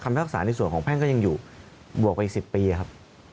คำภักษานี่ส่วนของแฟนก็ยังอยู่ผ่วยี่สิบปีครับ